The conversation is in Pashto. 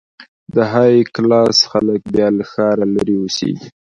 د های کلاس خلک بیا له ښاره لرې اوسېږي.